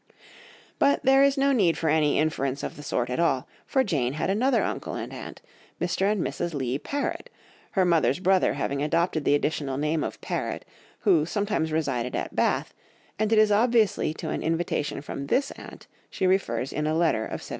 But there is no need for any inference of the sort at all, for Jane had another uncle and aunt, Mr. and Mrs. Leigh Perrot—her mother's brother having adopted the additional name of Perrot—who sometimes resided at Bath, and it is obviously to an invitation from this aunt she refers in a letter of 1799.